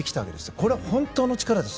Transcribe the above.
これは本当の力です。